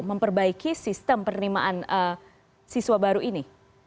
memperbaiki sistem penerimaan siswa baru ini